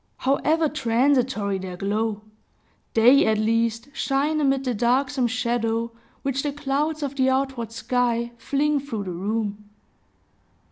However transitory their glow, they at least shine amid the darksome shadow which the clouds of the outward sky fling through the room.